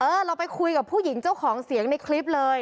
เราไปคุยกับผู้หญิงเจ้าของเสียงในคลิปเลย